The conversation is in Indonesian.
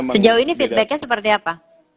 sejauh ini feedbacknya seperti apa